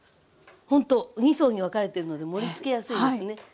ほんと２層に分かれてるので盛りつけやすいですね。